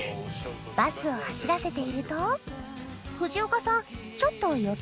バスを走らせていると藤岡さん